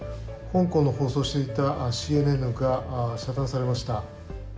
香港の放送していたＣＮＮが遮断されました。